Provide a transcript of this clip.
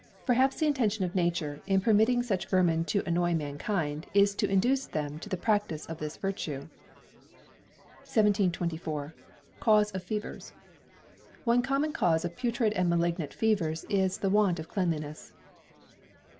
Perhaps the intention of Nature, in permitting such vermin to annoy mankind, is to induce them to the practice of this virtue. 1724. Cause of Fevers. One common cause of putrid and malignant fevers is the want of cleanliness.